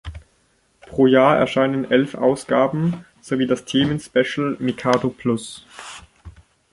Pro Jahr erscheinen elf Ausgaben sowie das Themen-Special "mikado"-plus.